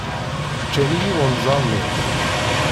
Ččan-iyi wanzaren-iw.